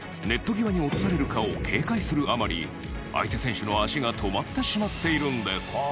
ネット際に落とされるかを警戒するあまり、相手選手の足が止まってしまっているんです。